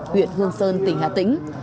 huyện hương sơn tỉnh hà tĩnh